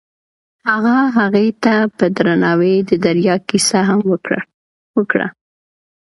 هغه هغې ته په درناوي د دریا کیسه هم وکړه.